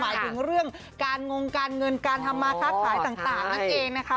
หมายถึงเรื่องการงงการเงินการทำมาค้าขายต่างนั่นเองนะคะ